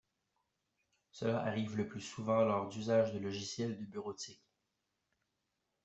Cela arrive le plus souvent lors d'usage de logiciels de bureautique.